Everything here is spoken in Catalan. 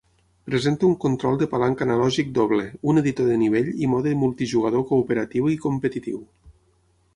Presenta un control de palanca analògic doble, un editor de nivell i mode multijugador cooperatiu i competitiu.